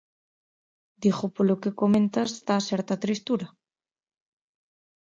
Digo polo que comentas das certa tristura.